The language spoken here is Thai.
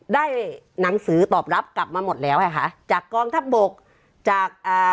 ได้หนังสือตอบรับกลับมาหมดแล้วค่ะจากกองทัพบกจากอ่า